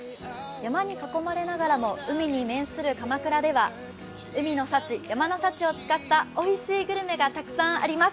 山に囲まれながらも海に面する鎌倉では海の幸、山の幸を使ったおいしいグルメがたくさんあります。